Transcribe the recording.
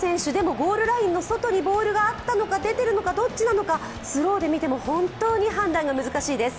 ゴールラインの外にボールがあったのか、出ているのか、どっちなのか、スローで見ても本当に判断が難しいです。